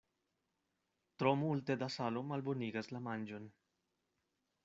Tro multe da salo malbonigas la manĝon.